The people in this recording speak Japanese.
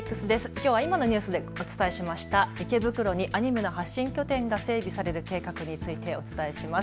きょうは今のニュースでお伝えしました池袋にアニメの発信拠点が整備される計画についてお伝えします。